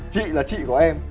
chị là chị của em